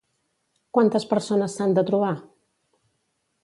Quantes persones s'han de trobar?